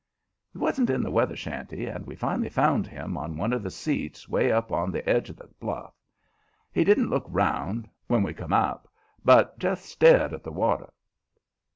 He wasn't in the weather shanty, and we finally found him on one of the seats 'way up on the edge of the bluff. He didn't look 'round when we come up, but just stared at the water.